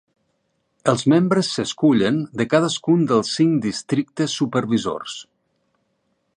Els membres s'escullen de cadascun dels cinc districtes supervisors.